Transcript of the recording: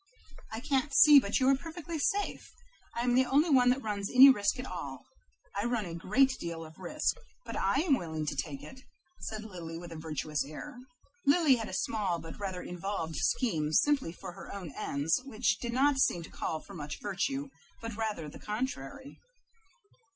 "I can't see but you are perfectly safe. I am the only one that runs any risk at all. I run a great deal of risk, but I am willing to take it," said Lily with a virtuous air. Lily had a small but rather involved scheme simply for her own ends, which did not seem to call for much virtue, but rather the contrary.